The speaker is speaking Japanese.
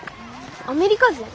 アメリカ人？